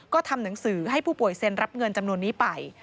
ก็ทำหนังสือให้ผู้ป่วยเซ็นรับเงินจำนวนนี้ไป